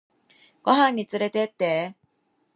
ご飯につれてって